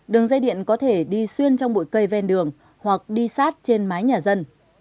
đường dây điện có thể đi xuyên trong bụi cây ven đường hoặc đi sát trên mái nhà dân